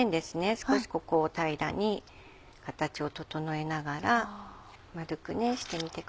少しここを平らに形を整えながら丸くしてみてください。